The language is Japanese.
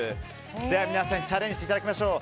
では皆さんにチャレンジしていただきましょう。